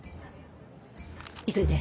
急いで。